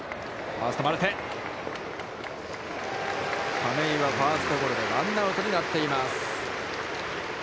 亀井はファーストゴロでワンアウトになっています。